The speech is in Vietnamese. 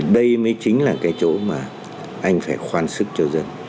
đây mới chính là cái chỗ mà anh phải khoan sức cho dân